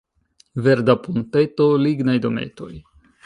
Verda ponteto, lignaj dometoj.